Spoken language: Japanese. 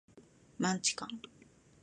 マンチカン